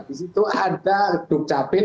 disitu ada dukcapil